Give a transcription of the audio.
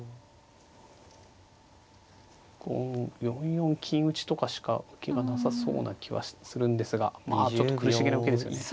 ４四金打とかしか受けがなさそうな気はするんですがまあちょっと苦しげな受けですよね。